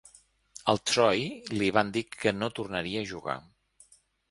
Al Troy li van dir que no tornaria a jugar.